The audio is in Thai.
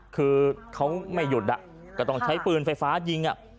คือเขาไม่หยุดก็ต้องใช้ปืนไฟฟ้ายิง